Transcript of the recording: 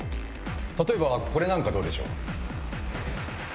例えばこれなんかどうでしょう？